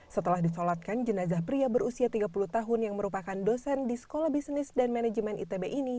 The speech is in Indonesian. setelah disolatkan jenazah pria berusia tiga puluh tahun yang merupakan dosen di sekolah bisnis dan manajemen itb ini